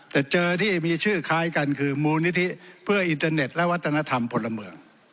แต่เจอที่มีชื่อคล้ายกันคือมูลนิธิเพื่ออินเทอร์เน็ตและวัฒนธรรมพลเมือง